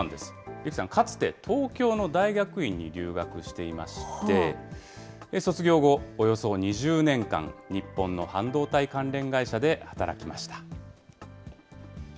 陸さん、かつて東京の大学院に留学していまして、卒業後、およそ２０年間、日本の半導体関連会社で働きました。